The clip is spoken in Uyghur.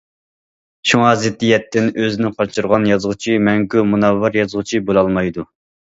شۇڭا زىددىيەتتىن ئۆزىنى قاچۇرغان يازغۇچى مەڭگۈ مۇنەۋۋەر يازغۇچى بولالمايدۇ.